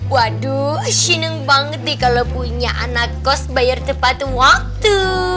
waduh senang banget nih kalau punya anak kos bayar tepat waktu